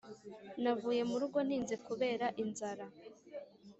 Navuye murugo ntinze kubera inzara